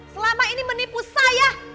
selama ini menipu saya